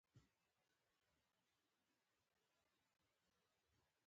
او تر څنګ يې له جومات څخه چارپايي هم راوړى .